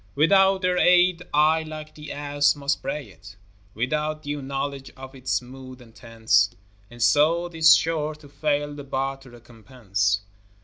Without their aid, I, like the ass, must bray it, Without due knowledge of its mood and tense, And so 'tis sure to fail the bard to recompense.